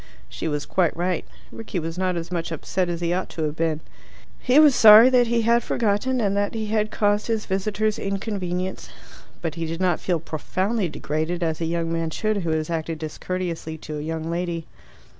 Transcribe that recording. She was quite right. Rickie was not as much upset as he ought to have been. He was sorry that he had forgotten, and that he had caused his visitors inconvenience. But he did not feel profoundly degraded, as a young man should who has acted discourteously to a young lady.